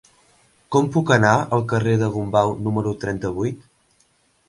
Com puc anar al carrer de Gombau número trenta-vuit?